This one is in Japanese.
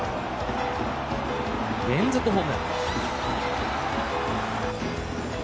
連続ホームラン。